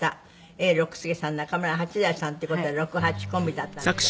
永六輔さん中村八大さんっていう事で六八コンビだったんですけど。